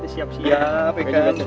siap siap ya kan